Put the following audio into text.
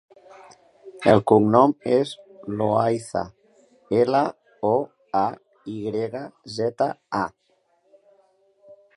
El cognom és Loayza: ela, o, a, i grega, zeta, a.